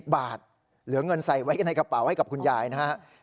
บาทเหลือเงินใส่ไว้ในกระเป๋าให้กับคุณยายนะครับ